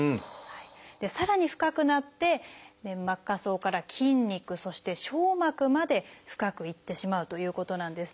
さらに深くなって粘膜下層から筋肉そしてしょう膜まで深くいってしまうということなんですね。